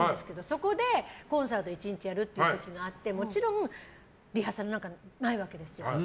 そこでコンサートを１日やるっていう時があってもちろんリハーサルなんかないわけですよ。